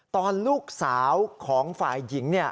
ตอนลูกสาวของฝ่ายหญิง